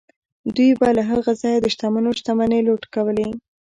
دوی به له هغه ځایه د شتمنو شتمنۍ لوټ کولې.